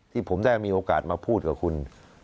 ที่ผมได้มีโอกาสมาพูดกับคุณ